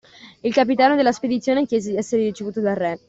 Il capitano della spedizione chiese di essere ricevuto dal Re.